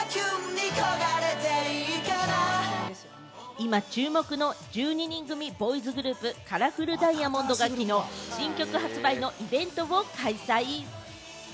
今注目の１２人組ボーイズグループ・カラフルダイヤモンドがきのう、新曲発売のイベントを開催。